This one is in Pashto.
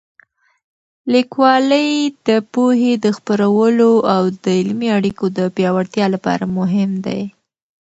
لیکوالی د پوهې د خپرولو او د علمي اړیکو د پیاوړتیا لپاره مهم دی.